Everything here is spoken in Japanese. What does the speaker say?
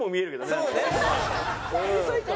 そうね。